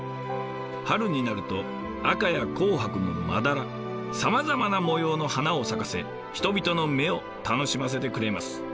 春になると赤や紅白のまだらさまざまな模様の花を咲かせ人々の目を楽しませてくれます。